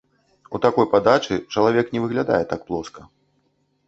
У такой падачы чалавек не выглядае так плоска.